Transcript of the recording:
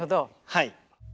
はい。